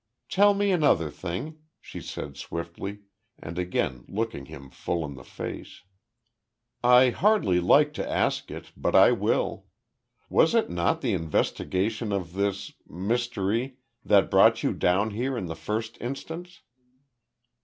"Tell me another thing," she said swiftly, and again looking him full in the face. "I hardly like to ask it, but I will. Was it not the investigation of this mystery, that brought you down here in the first instance?"